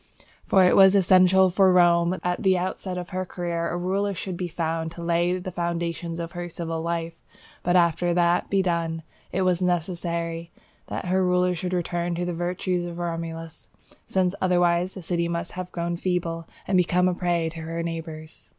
For it was essential for Rome that almost at the outset of her career, a ruler should be found to lay the foundations of her civil life; but, after that had been done, it was necessary that her rulers should return to the virtues of Romulus, since otherwise the city must have grown feeble, and become a prey to her neighbours.